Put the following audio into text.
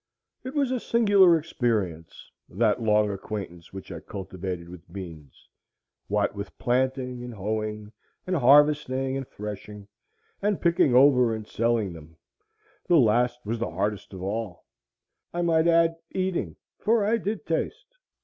It was a singular experience that long acquaintance which I cultivated with beans, what with planting, and hoeing, and harvesting, and threshing, and picking over and selling them,—the last was the hardest of all,—I might add eating, for I did taste.